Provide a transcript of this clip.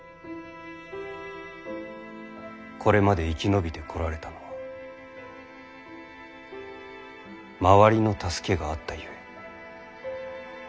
これまで生き延びてこられたのは周りの助けがあったゆえ。